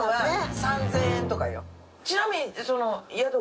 ちなみに。